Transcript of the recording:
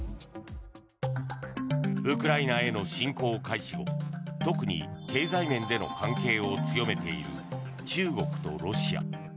ウクライナへの侵攻開始後特に経済面での関係を強めている中国とロシア。